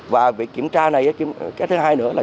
và việc kiểm tra này cái thứ hai nữa